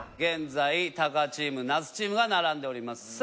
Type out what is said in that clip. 現在たかチームなすチームが並んでおります。